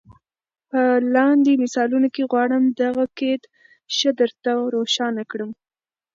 په لاندي مثالونو کي غواړم دغه قید ښه در ته روښان کړم.